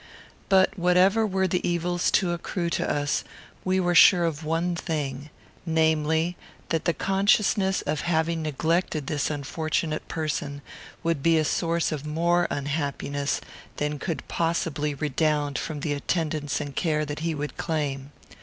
But, whatever were the evils to accrue to us, we were sure of one thing: namely, that the consciousness of having neglected this unfortunate person would be a source of more unhappiness than could possibly redound from the attendance and care that he would claim.